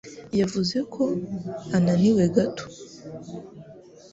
Yavuze ko ananiwe gato.